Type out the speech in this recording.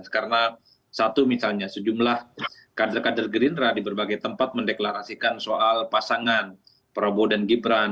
karena satu misalnya sejumlah kader kader gerindra di berbagai tempat mendeklarasikan soal pasangan prabowo dan gibran